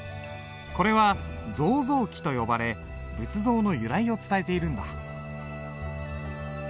これは造像記と呼ばれ仏像の由来を伝えているんだ。